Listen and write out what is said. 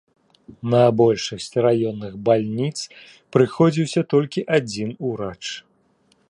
На большасць раённых бальніц прыходзіўся толькі адзін урач.